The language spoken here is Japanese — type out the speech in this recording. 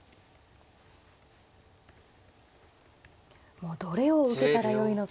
もうどれを受けたらよいのか。